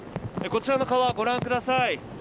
こちらの川、ご覧ください。